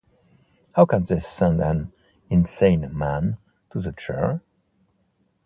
How can they send an insane man to the chair?